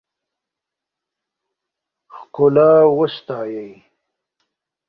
ښکلا وستایئ.